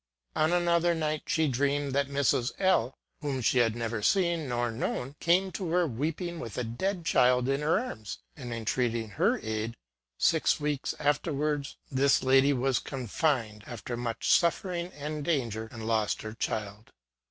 On another night she dreamt that Mrs. L , whom she had never seen nor known, came to her weeping, with a dead child in her arms, and entreating her aid : six weeks after wards, this lady was confined, after much suffering and danger, and lost her child.